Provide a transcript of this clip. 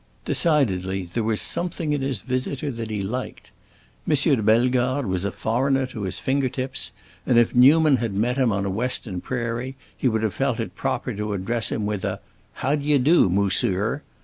Decidedly, there was something in his visitor that he liked. M. de Bellegarde was a foreigner to his finger tips, and if Newman had met him on a Western prairie he would have felt it proper to address him with a "How d'ye do, Mosseer?"